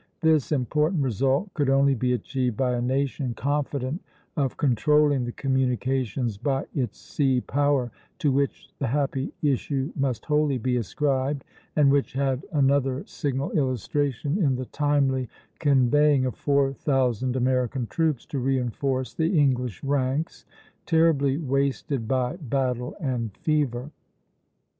This important result could only be achieved by a nation confident of controlling the communications by its sea power, to which the happy issue must wholly be ascribed, and which had another signal illustration in the timely conveying of four thousand American troops to reinforce the English ranks, terribly wasted by battle and fever.